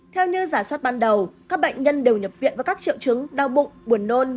theo như giả soát ban đầu các bệnh nhân đều nhập viện với các triệu chứng đau bụng buồn nôn